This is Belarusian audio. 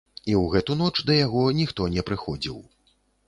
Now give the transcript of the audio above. І ў гэту ноч да яго ніхто не прыходзіў.